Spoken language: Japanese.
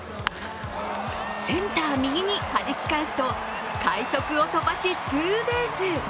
センター右にはじき返すと、快足を飛ばしツーベース。